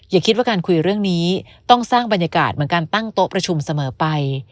อย่าคิดว่าการคุยเรื่องนี้ต้องสร้างบรรยากาศเหมือนการตั้งโต๊ะประชุมเสมอไป